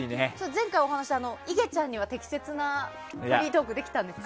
前回お話ししたいげちゃんには適切なフリートークできたんですか？